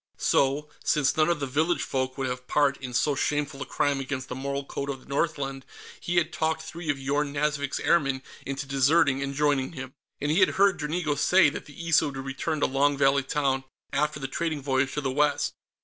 So, since none of the village folk would have part in so shameful a crime against the moral code of the Northland, he had talked three of Yorn Nazvik's airmen into deserting and joining him. And he had heard Dranigo say that the Issa would return to Long Valley Town after the trading voyage to the west.